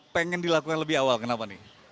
pengen dilakukan lebih awal kenapa nih